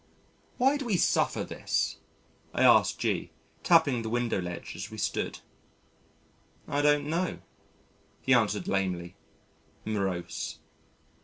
"Why do we suffer this?" I asked G , tapping the window ledge as we stood. "I don't know," he answered lamely morose.